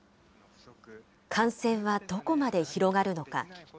感染はどこまで広がるのか。